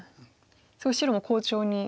すごい白も好調に。